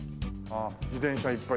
自転車いっぱい。